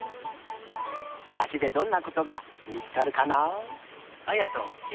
まちでどんなことが見つかるかな？